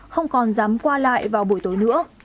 không còn dám qua lại vào buổi tối nữa